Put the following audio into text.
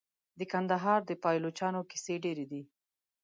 د کندهار د پایلوچانو کیسې ډیرې دي.